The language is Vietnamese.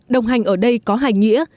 đồng hành ở đây có hai nghĩa